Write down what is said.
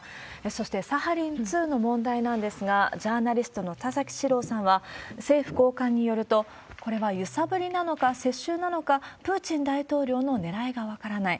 そして、サハリン２の問題なんですが、ジャーナリストの田崎史郎さんは、政府高官によると、これは揺さぶりなのか接収なのか、プーチン大統領のねらいが分からない。